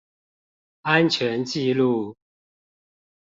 安全紀錄